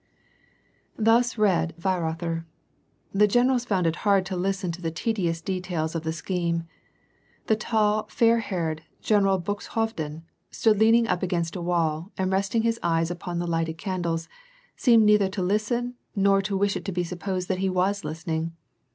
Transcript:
Thus read Weirother. The generals found it hard to listen to the tedious details of the scheme. The tall, fair haired, Gen eral Buxhovden stood leaning against the wall, and, resting his eyes on one of the lighted candles, seemed neither to listen nor wish it to be supposed that he was listening.